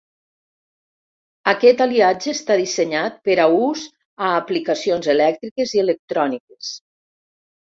Aquest aliatge està dissenyat per a ús a aplicacions elèctriques i electròniques.